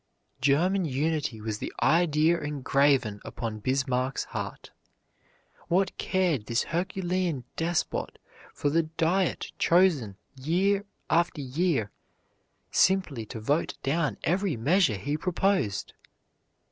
German unity was the idea engraven upon Bismarck's heart. What cared this herculean despot for the Diet chosen year after year simply to vote down every measure he proposed?